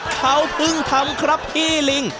เขาเพิ่งทำครับพี่ลิง